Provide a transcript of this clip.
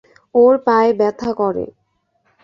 ওর পায়ে ব্যথা করে।